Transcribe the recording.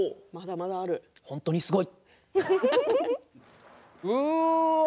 本当にすごい。